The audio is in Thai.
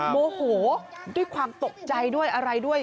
โมโหด้วยความตกใจด้วยอะไรด้วย